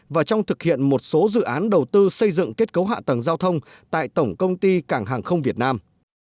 và trong thực hiện một số dự án đầu tư xây dựng kết cấu hạ tầng giao thông tại tổng công ty cảng hàng không việt nam